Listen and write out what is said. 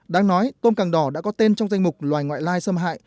đáng nói tôm càng đỏ đã có tên trong danh mục loài ngoại lai xâm hại